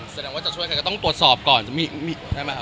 แสดงว่าจะช่วยใครก็ต้องตรวจสอบก่อนจะมีใช่ไหมครับ